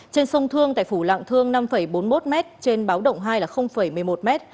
trên sông thương tại phủ lạng thương năm bốn mươi một m trên báo động hai là một mươi một m